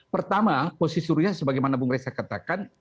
pertama posisi rusia sebagaimana bung ressa katakan